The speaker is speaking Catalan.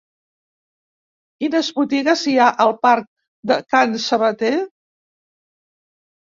Quines botigues hi ha al parc de Can Sabater?